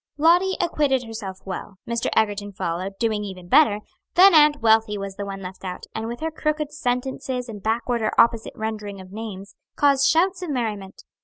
Lottie acquitted herself well; Mr. Egerton followed, doing even better; then Aunt Wealthy was the one left out, and with her crooked sentences and backward or opposite rendering of names caused shouts of merriment.